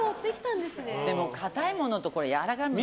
でも硬いものとやわらかいもので。